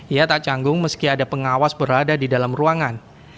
ia tak canggung meski ada pengawas berada di dalam ruangan